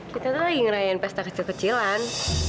kita tuh lagi ngerayain pesta kecil kecilan